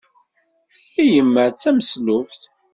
Yemma d tameslubt.